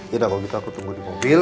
yaudah kalau gitu aku tunggu di mobil